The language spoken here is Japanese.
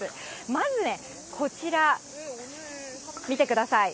まずね、こちら、見てください。